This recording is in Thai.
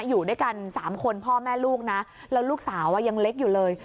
อยู่ด้วยกัน๓คนพ่อแม่ลูกนะแล้วลูกสาวยังเล็กอยู่เลย